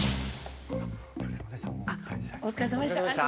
お疲れさまでした。